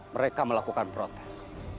mereka melakukan protes